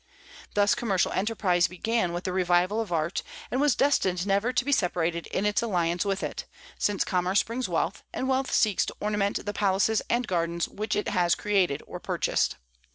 Thus commercial enterprise began with the revival of art, and was destined never to be separated in its alliance with it, since commerce brings wealth, and wealth seeks to ornament the palaces and gardens which it has created or purchased.